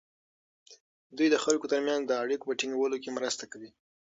دوی د خلکو ترمنځ د اړیکو په ټینګولو کې مرسته کوي.